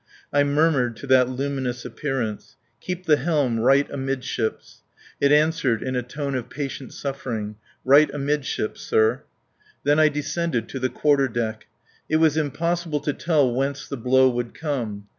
I murmured to that luminous appearance: "Keep the helm right amidships." It answered in a tone of patient suffering: "Right amidships, sir." Then I descended to the quarter deck. It was impossible to tell whence the blow would come.